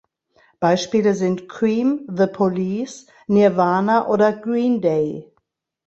Beispiele sind Cream, The Police, Nirvana oder Green Day.